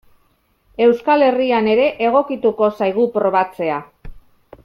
Euskal Herrian ere egokituko zaigu probatzea.